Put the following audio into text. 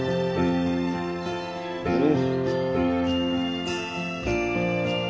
うん。